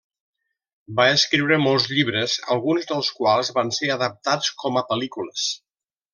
Va escriure molts llibres, alguns dels quals van ser adaptats com a pel·lícules.